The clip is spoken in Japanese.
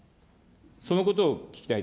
そのことを聞きたい。